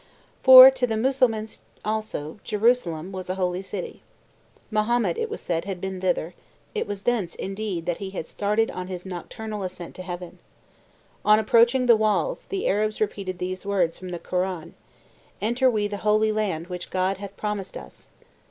For to the Mussulmans, also, Jerusalem was a holy city. Mahomet, it was said, had been thither; it was thence, indeed, that he had started on his nocturnal ascent to heaven. On approaching the walls, the Arabs repeated these words from the Koran: "Enter we the holy land which God hath promised us."